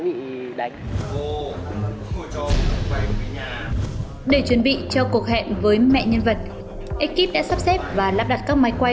để chuẩn bị cho cuộc hẹn với mẹ nhân vật ekip đã sắp xếp và lắp đặt các máy quay